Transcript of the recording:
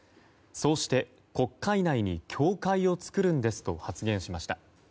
そうして国会内に教会をつくるんですと発言しました。